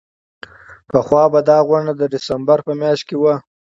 پخوا به دا غونډه د ډسمبر په میاشت کې وه.